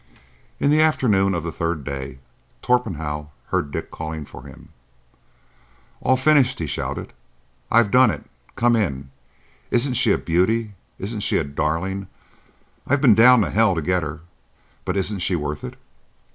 In the afternoon of the third day Torpenhow heard Dick calling for him. "All finished!" he shouted. "I've done it! Come in! Isn't she a beauty? Isn't she a darling? I've been down to hell to get her; but isn't she worth it?"